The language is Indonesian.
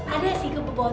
ada liat si kebobotak lagi